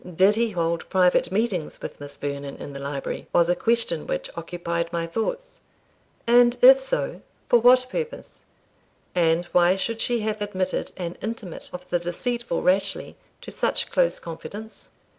Did he hold private meetings with Miss Vernon in the library? was a question which occupied my thoughts; and if so, for what purpose? And why should she have admitted an intimate of the deceitful Rashleigh to such close confidence?